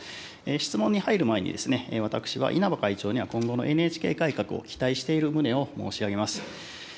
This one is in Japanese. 質問に入る前にですね、私は、稲葉会長には今後のＮＨＫ改革を期待している旨を申し上げます。